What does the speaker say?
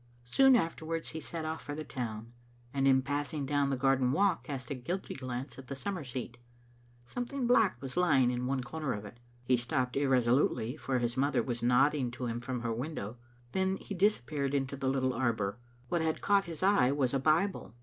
Soon afterwards he set off for the town, and in pass ing down the garden walk cast a guilty glance at the summer seat. Something black was lying in one comer of it. He stopped irresolutely, for his mother was nodding to him from her window. Then he disappeared into the little arbour. What had caught his eye was a Bible.